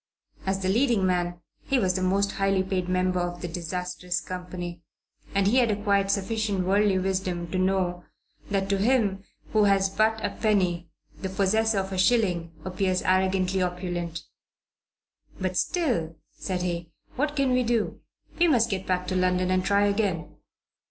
As the leading man, he was the most highly paid member of the disastrous company, and he had acquired sufficient worldly wisdom to know that to him who has but a penny the possessor of a shilling appears arrogantly opulent. "But still," said he, "what can we do? We must get back to London and try again."